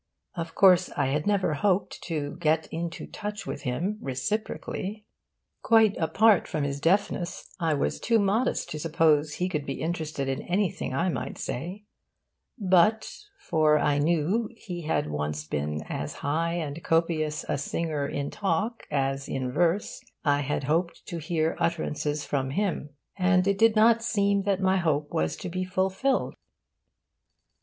Of course I had never hoped to 'get into touch with him' reciprocally. Quite apart from his deafness, I was too modest to suppose he could be interested in anything I might say. But for I knew he had once been as high and copious a singer in talk as in verse I had hoped to hear utterances from him. And it did not seem that my hope was to be fulfilled.